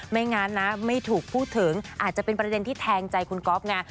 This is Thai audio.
ไม่งั้นนะไม่ถูกพูดถึงอาจจะเป็นประเด็นที่แทงใจคุณก๊อฟไง